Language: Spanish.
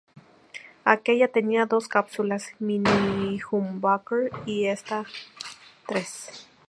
Aquella tenía dos cápsulas "mini-humbucker" y esta, tres.